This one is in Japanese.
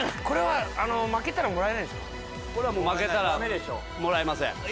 これはもう負けたらもらえません。